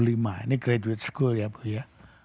ini credit school ya bu ya